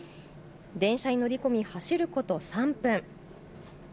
電車に乗り込み走ること３分。